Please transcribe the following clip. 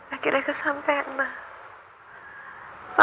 akhirnya kesampe mama